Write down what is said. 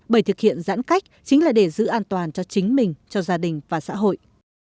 bởi thực hiện giãn cách chính là để giữ an toàn cho chính mình cho gia đình và xã hội